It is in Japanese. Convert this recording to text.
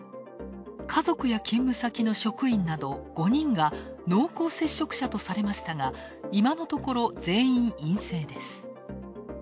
家族や勤務先の職員など５人が濃厚接触者とされましたが、今のところ全員陰性です。